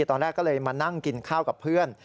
ตอนแรกก็เลยมานั่งกินข้าวกับเพื่อน